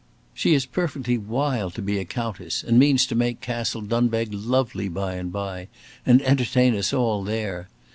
She is perfectly wild to be a countess, and means to make Castle Dunbeg lovely by and by, and entertain us all there.